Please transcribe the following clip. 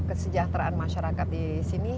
kesejahteraan masyarakat di sini